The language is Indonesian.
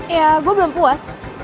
ya gue belum puas